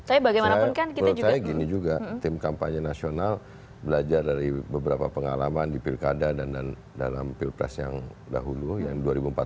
menurut saya menurut saya gini juga tim kampanye nasional belajar dari beberapa pengalaman di pilkada dan dalam pilpres yang dahulu yang dua ribu empat belas